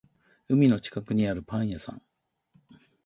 海の近くにあるパン屋さん